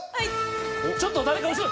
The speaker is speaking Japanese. ちょっと誰か後ろ！